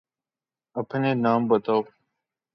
أپنے نام بتاؤ۔